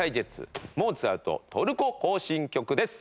モーツァルト『トルコ行進曲』です。